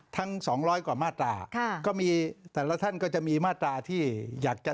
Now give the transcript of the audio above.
ทั้ง๒๐๐กว่ามาตราก็มีแต่ละท่านก็จะมีมาตราที่อยากจะ